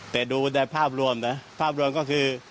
แต่ดูในภาพรวมนะภาพรวมก็คือ